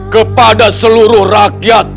kepada seluruh rakyat